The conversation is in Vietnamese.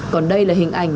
còn đây là hình ảnh